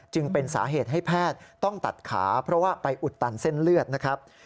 จึงเป็นสาเหตุให้แพทย์ต้องตัดขาเพราะว่าไปอุดตันเส้นเลือดนะครับ